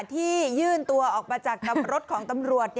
ที่ยื่นตัวออกมาจากกับรถของตำรวจ